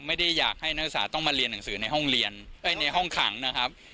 ไม่ได้อยากให้นักศึกษาต้องมาเรียนหนังสือในห้องเรียนในห้องขังนะครับ